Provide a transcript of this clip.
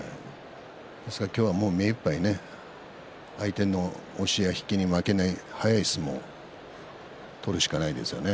今日は目いっぱい相手の押しや引きに負けない速い相撲、それしかないですね。